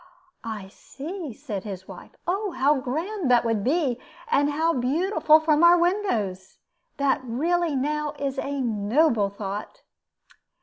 "I see," said his wife; "oh, how grand that would be! and how beautiful from our windows! That really, now, is a noble thought!"